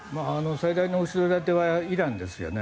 最大の後ろ盾はイランですよね。